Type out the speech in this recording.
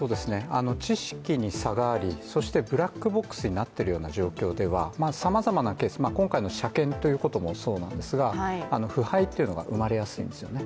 知識に差があり、そしてブラックボックスになっているような状況ではさまざまな、今回の車検ということもそうですが腐敗というのが生まれやすいんですよね。